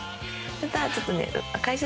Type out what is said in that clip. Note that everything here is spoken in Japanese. ただちょっとね。